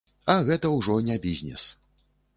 А гэта ўжо не бізнес!